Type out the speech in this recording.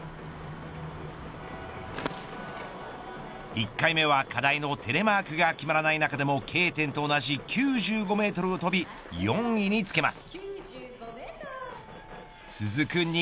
１回目は課題のテレマークが決まらない中でもＫ点と同じ９５メートルを飛び４位につけます。